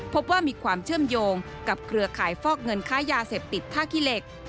พบว่ามีความเชื่อมโยงกับเครือข่ายฟอกเงินค้ายาเสพติดท่าขี้เหล็ก